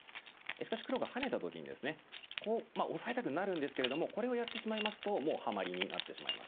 しかし黒がハネた時にですねこうオサえたくなるんですけれどもこれをやってしまいますともうハマリになってしまいます。